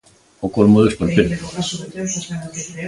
¡O colmo do esperpento!